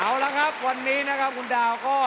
เอาละครับวันนี้นะครับคุณดาวก็